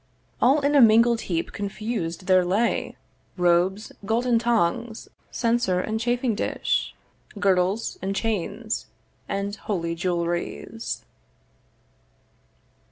All in a mingled heap confus'd there lay Robes, golden tongs, censer and chafing dish, Girdles, and chains, and holy jewelries.